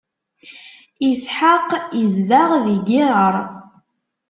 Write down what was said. Isḥaq izdeɣ di Girar.